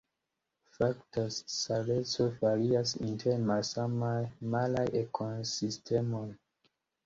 Fakta saleco varias inter malsamaj maraj ekosistemoj.